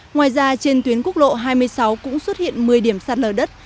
ngoài ra trên tuyến quốc lộ hai mươi sáu cũng xuất hiện một mươi điểm sạt lở đất